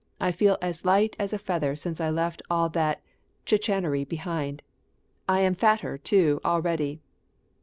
I feel as light as a feather since I left all that chicanery behind! I am fatter, too, already."